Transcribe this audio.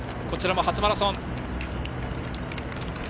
こちらも初マラソン。